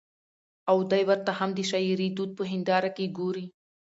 او دى ورته هم د شعري دود په هېنداره کې ګوري.